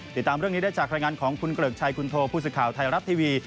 ติดตามเรื่องนี้ได้จากรายงานของคุณเกริกชัยคุณโทผู้สื่อข่าวไทยรัฐทีวี